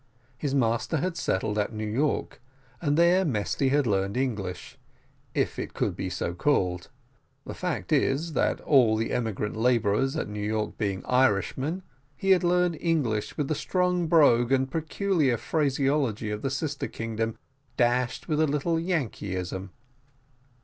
His master had settled at New York, and there Mesty had learned English, if it could be so called: the fact is, that all the emigrant labourers at New York being Irishmen, he had learned English with the strong brogue and peculiar phraseology of the sister kingdom dashed with a little Yankeeism.